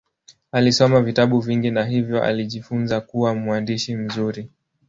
Alisoma vitabu vingi na hivyo alijifunza kuwa mwandishi mzuri.